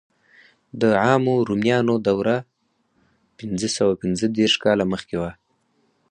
د عامو رومیانو دوره پنځه سوه پنځه دېرش کاله مخکې وه.